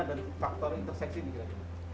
dan faktor interseksi di jalan jalan